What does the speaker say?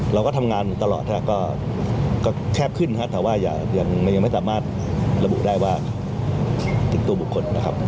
เราก็ทำงานตลอดก็แคบขึ้นแต่ว่ายังไม่สามารถระบุได้ว่าผิดตัวบุคคลนะครับ